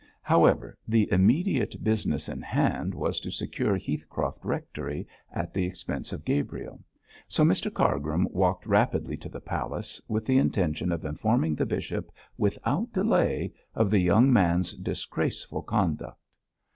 However, the immediate business in hand was to secure Heathcroft Rectory at the expense of Gabriel; so Mr Cargrim walked rapidly to the palace, with the intention of informing the bishop without delay of the young man's disgraceful conduct.